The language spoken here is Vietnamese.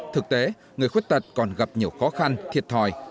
thực tế người khuyết tật còn gặp nhiều khó khăn thiệt thòi